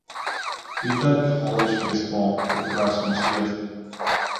He played college baseball for Fresno State.